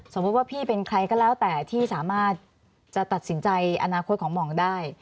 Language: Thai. สมมุติว่าพี่เป็นใครก็แล้วแต่ที่สามารถจะตัดสินใจอนาคตของหมองได้